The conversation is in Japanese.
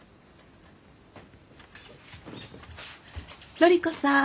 紀子さん。